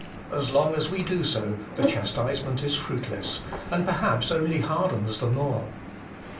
As long as we do so, the chastisement is fruitless ; and perhaps only hardens the more.